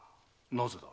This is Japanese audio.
なぜだ？